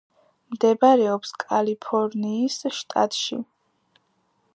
მდებარეობს კალიფორნიის შტატში.